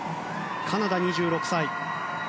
カナダ、２６歳。